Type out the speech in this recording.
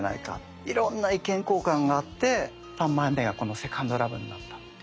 いろんな意見交換があって３枚目がこの「セカンド・ラブ」になったっていう経緯ですね。